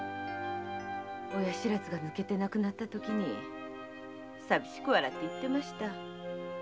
親不知が抜けてなくなったときに寂しく笑って言ってました。